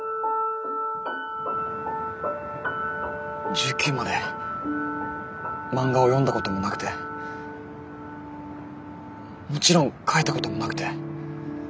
１９まで漫画を読んだこともなくてもちろん描いたこともなくて。